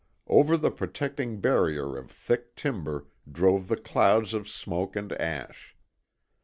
Over the protecting barrier of thick timber drove the clouds of smoke and ash.